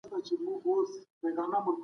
لمرداره